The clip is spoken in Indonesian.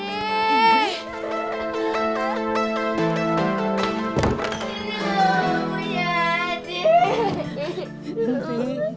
indri gak mau punya adik